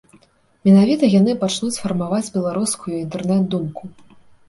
Менавіта яны пачнуць фармаваць беларускую інтэрнэт-думку.